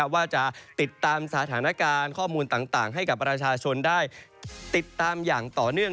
ว่าจะติดตามสถานการณ์ข้อมูลต่างให้กับประชาชนได้ติดตามอย่างต่อเนื่อง